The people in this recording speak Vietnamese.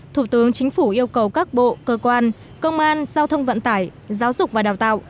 thủ tướng chính phủ yêu cầu các bộ cơ quan công an giao thông vận tải giáo dục và đào tạo